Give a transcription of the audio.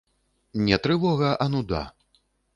Не трывога, а нуда.